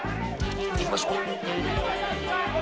行きましょう。